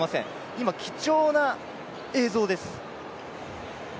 今、貴重な映像です。